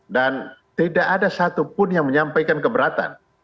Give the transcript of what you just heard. dan tidak ada satupun yang menyampaikan keberatan